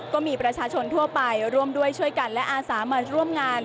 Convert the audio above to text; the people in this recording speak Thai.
ก็มีประชาชนทั่วไปร่วมด้วยช่วยกันและอาสามาร่วมงาน